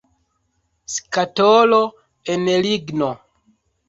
Skatolo el ligno.